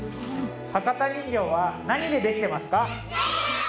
博多人形は何でできていますか？